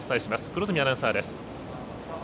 黒住アナウンサーです。